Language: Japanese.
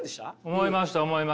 思いました思いました。